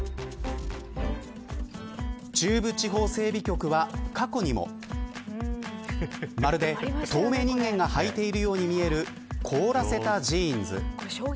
中部地方整備局は過去にもまるで透明人間がはいているように見える凍らせたジーンズ。